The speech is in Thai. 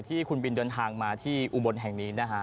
ที่คุณบินเดินทางมาที่อุบลแห่งนี้นะฮะ